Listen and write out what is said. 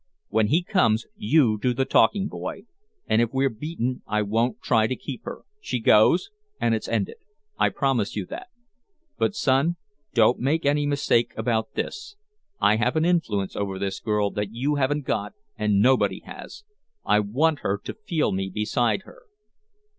When he comes you do the talking, boy and if we're beaten I won't try to keep her, she goes and it's ended, I promise you that. But, son, don't make any mistake about this I have an influence over this girl that you haven't got and nobody has. I want her to feel me beside her."